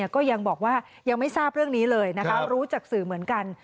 ก็ยังบอกว่ายังไม่ทราบเรื่องนี้เลยนะคะรู้จากสื่อเหมือนกัน